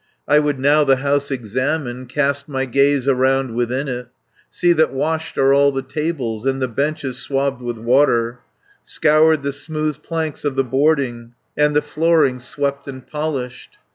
I would now the house examine, Cast my gaze around within it, See that washed are all the tables, And the benches swabbed with water, 150 Scoured the smooth planks of the boarding, And the flooring swept and polished.